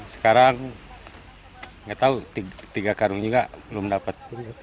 sekarang nggak tahu tiga karung juga belum dapat